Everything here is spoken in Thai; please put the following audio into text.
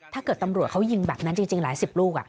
ถ้าเกิดตำรวจเขายิงแบบนั้นจริงหลายสิบลูก